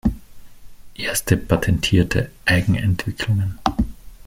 Erste patentierte Eigenentwicklungen.